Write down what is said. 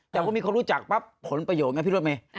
แต่ก็ให้มีคนรู้จักปั๊บผลประโยชน์ไงพูดโดยไม่